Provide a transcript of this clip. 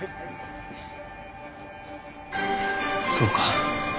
そうか。